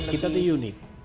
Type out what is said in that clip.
kita tuh unik